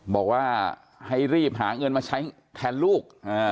บอกว่าให้รีบหาเงินมาใช้แทนลูก